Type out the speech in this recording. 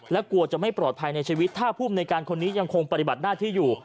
และกลัวจะไม่ปลอดภัยในชีวิตถ้าภูมิในการคนนี้ยังคงปฏิบัติหน้าที่อยู่